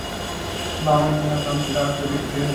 বামের নিম্নপ্রান্তে গিয়ে তার চোখ স্থির হয়ে যায়।